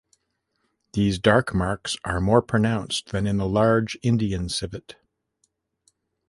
These dark marks are more pronounced than in the large Indian civet.